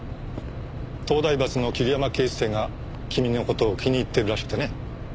東大閥の桐山警視正が君の事を気に入っているらしくてね。